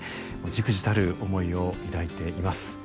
じくじたる思いを抱いています。